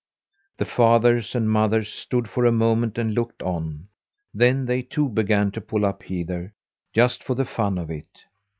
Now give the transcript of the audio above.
The fathers and mothers stood for a moment and looked on; then they too began to pull up heather just for the fun of it.